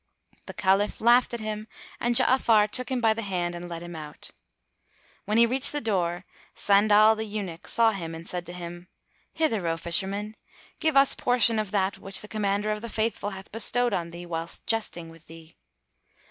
The Caliph laughed at him and Ja'afar took him by the hand and led him out. When he reached the door, Sandal the eunuch saw him and said to him, "Hither, O Fisherman! Give us portion of that which the Commander of the Faithful hath bestowed on thee, whilst jesting with thee."